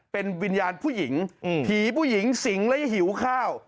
เป็นวิญญาณผู้หญิงผีผู้หญิงสิงและหิวข้าว